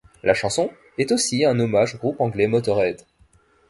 La chanson est aussi un hommage au groupe anglais Motörhead.